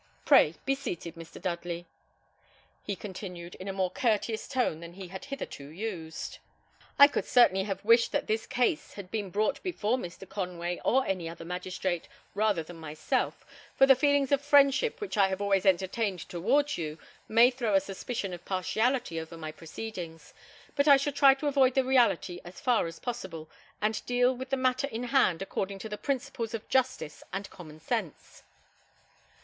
Pray be seated, Mr. Dudley," he continued, in a more courteous tone than he had hitherto used. "I could certainly have wished that this case had been brought before Mr. Conway, or any other magistrate, rather than myself; for the feelings of friendship which I have always entertained towards you, may throw a suspicion of partiality over my proceedings. But I shall try to avoid the reality as far as possible, and deal with the matter in hand according to the principles of justice and common sense."